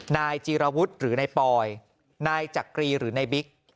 นายจีรวุทธ์หรือในปลอยนายจักรีหรือในบิ๊ก